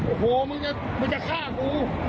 โอ้โหมึงจะฆ่าฆ่าพูก